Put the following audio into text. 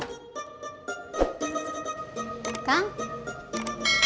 dia belum mau naik